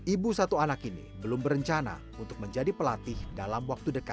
ibu satu anak ini belum berencana untuk menjadi pelatih dalam waktu dekat